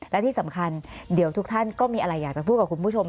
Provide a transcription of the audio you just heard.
และที่สำคัญเดี๋ยวทุกท่านก็มีอะไรอยากจะพูดกับคุณผู้ชม